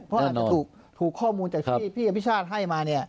เพราะอาจจะถูกข้อมูลจากที่พี่อภิชาติให้มา